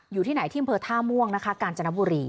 อยู่ที่ไหนที่อำเภอท่าม่วงนะคะกาญจนบุรี